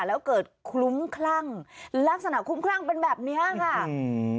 แล้วเกิดคลุ้มคลั่งลักษณะคุ้มคลั่งเป็นแบบเนี้ยค่ะอืม